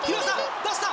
出した！